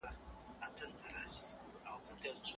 زموږ ټولنه اوږد تاريخ لري.